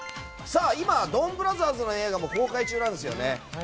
今、「ドンブラザーズ」の映画も公開中なんですよね。